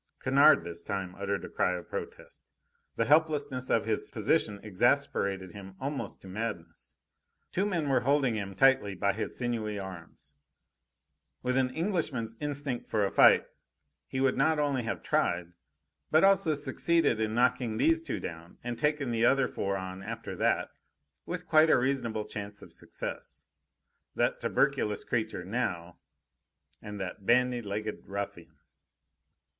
Kennard this time uttered a cry of protest. The helplessness of his position exasperated him almost to madness. Two men were holding him tightly by his sinewy arms. With an Englishman's instinct for a fight, he would not only have tried, but also succeeded in knocking these two down, and taken the other four on after that, with quite a reasonable chance of success. That tuberculous creature, now! And that bandy legged ruffian!